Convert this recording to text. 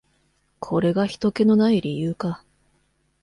これがひとけの無い理由か。